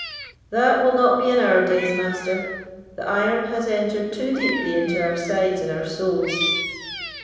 "That will not be in our days, Master: the iron has entered too deeply into our sides and our souls."